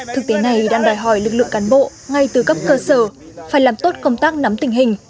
thực tế này đang đòi hỏi lực lượng cán bộ ngay từ cấp cơ sở phải làm tốt công tác nắm tình hình